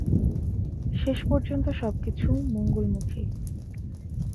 শেষ পর্যন্ত সব কিছু মঙ্গলমুখী।